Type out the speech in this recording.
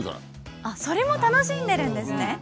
それも楽しんでるんですね！